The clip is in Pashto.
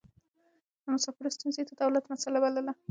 د مسافرو ستونزې يې د دولت مسئله بلله.